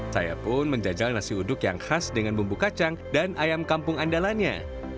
saya pun menjajal nasi uduk yang khas dengan bumbu kacang dan ayam kampung andalannya